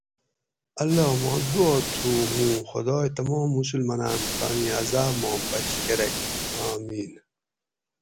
اللّٰہ ما دُعا تھو ھوں خدائ تمام مسلماںاۤن تانی عزاب ما بچ کرئ! آمین